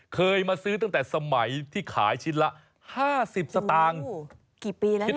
เคยมาซื้อตั้งแต่สมัยที่ขายชิ้นละ๕๐สตางค์กี่ปีแล้ว